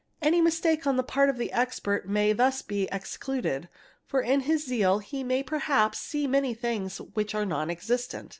Any mistake on the pa of the expert may thus be excluded, for in his zeal he may perhaps see many things which are non existent.